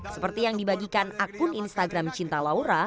seperti yang dibagikan akun instagram cinta laura